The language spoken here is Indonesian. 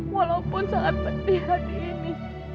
walaupun sangat penting hati ini